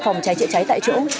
phòng cháy chữa cháy tại chỗ